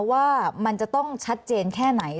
ว่ามันจะต้องชัดเจนแค่ไหน